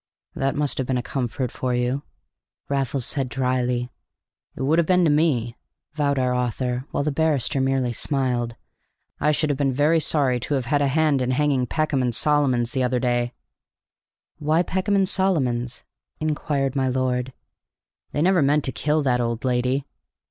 "That must have been a comfort to you," said Raffles dryly. "It would have been to me," vowed our author, while the barrister merely smiled. "I should have been very sorry to have had a hand in hanging Peckham and Solomons the other day." "Why Peckham and Solomons?" inquired my lord. "They never meant to kill that old lady."